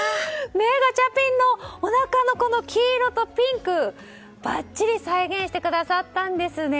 ガチャピンのおなかの黄色とピンクばっちり再現してくださったんですね。